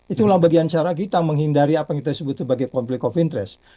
itulah bagian cara kita menghindari apa yang kita sebut sebagai konflik of interest